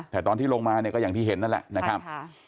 แต่ตอนที่ลงมาเนี่ยก็อย่างที่เห็นนั่นแหละนะครับ